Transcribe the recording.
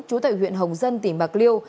chú tại huyện hồng dân tỉnh bạc liêu